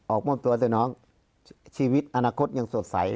มอบตัวแต่น้องชีวิตอนาคตยังสดใส